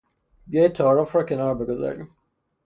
بیایید تعارف را کنار بگذاریم!